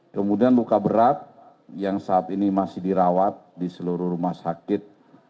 kemudian luka berat yang saat ini masih dirawat di seluruh rumah sakit